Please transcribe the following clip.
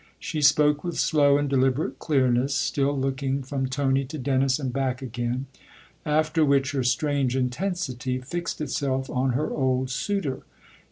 She spoke with slow and deliberate clearness, still looking from Tony to Dennis and back again ; after which her strange intensity fixed itself on her old suitor.